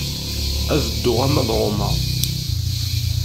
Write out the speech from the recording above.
Ad dduɣ arma d Roma.